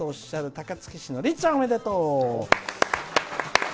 高槻市のりっちゃんおめでとう。